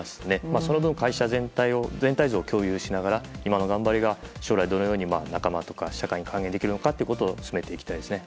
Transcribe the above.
その分、会社の全体像を共有しながら将来どうなるかとか社会に還元できるかを詰めていきたいでするね。